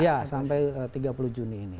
iya sampai tiga puluh juni ini